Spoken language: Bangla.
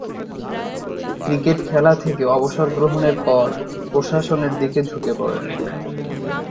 ক্রিকেট খেলা থেকে থেকে অবসর গ্রহণের পর প্রশাসনের দিকে ঝুঁকে পড়েন।